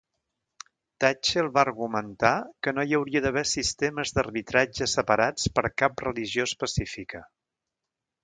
Tatchell va argumentar que no hi hauria d'haver sistemes d'arbitratge separats per cap religió específica.